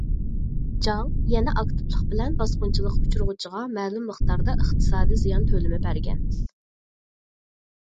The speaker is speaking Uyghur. جاڭ يەنە ئاكتىپلىق بىلەن باسقۇنچىلىققا ئۇچرىغۇچىغا مەلۇم مىقداردا ئىقتىسادى زىيان تۆلىمى بەرگەن.